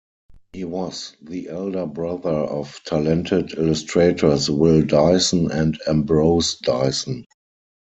He was the elder brother of talented illustrators Will Dyson and Ambrose Dyson.